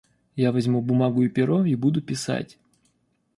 Я возьму бумагу и перо и буду писать.